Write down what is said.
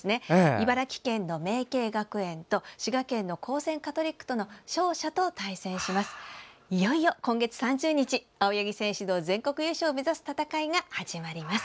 茨城県の茗渓学園と滋賀県の光泉カトリックとの勝者と対戦します。